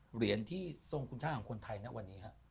เหรียญที่ทรงคุณค่าของคนไทยนะวันนี้ฮะ